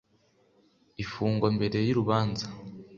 ifungwa mbere y urubanza